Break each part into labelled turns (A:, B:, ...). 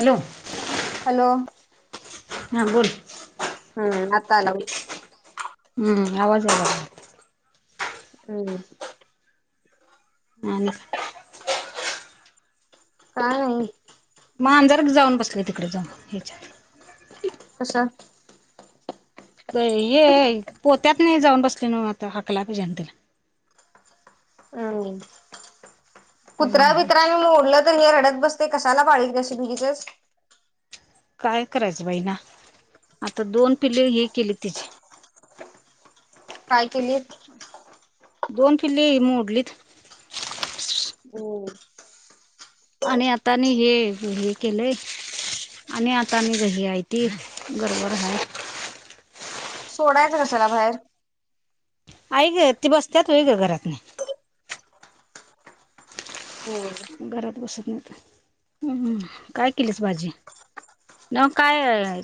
A: Hello
B: hello
A: अ बोल
B: हम्म आता आला ब
A: हम्म आवाज आला
B: हम
A: आणि काय
B: काय नाही
A: मांजर एक जाऊन बसलय तिकडे जाऊन ह्याच्यात
B: कसं
A: ये हे पोत्यात नाही जाऊन बसले ना आता हकलाय पाहिजे आणि त्याला
B: हम् कुत्रा बित्रांनी मोडलं तर रडत बसते कशला पाळील रस भीजि
A: काय करायचं बाई ना आता दोन पिल्ले हे केली तिची
B: काय केलीय
A: दोन किल्ली मोडलीत
B: होम
A: आणि आतानी हे, हे केलंय आणि आता आणि घही आहेय त गरबर आहे
B: सोडायचं कसला बाहेर
A: ऐक ती बसतत व ग घरात नाही
B: हम्म
A: घरात बसत नाही तर हम् काय केलीच बाजी न काय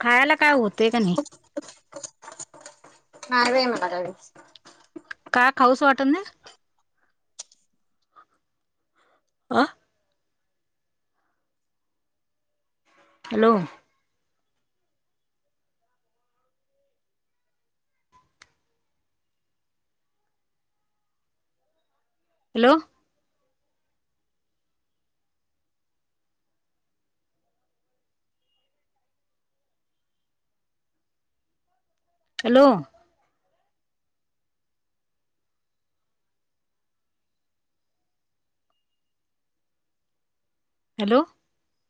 A: खायला काय होतं का नाही
B: [unintelligible]
A: काय खाऊसं वाटत नाय? आ हॅलो हॅलो हॅलो हॅलो